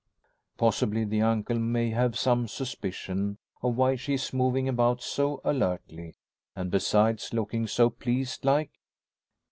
Possibly the uncle may have some suspicion of why she is moving about so alertly, and besides looking so pleased like.